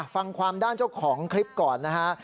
ฟังความด้านเจ้าของคลิปก่อนนะฮะ